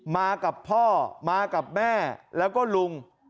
มากับพ่อมากับแม่แล้วก็ลุง